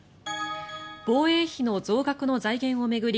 防衛費の増額の財源を巡り